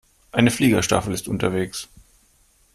Eine Fliegerstaffel ist unterwegs.